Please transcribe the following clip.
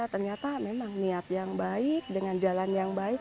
ternyata memang niat yang baik dengan jalan yang baik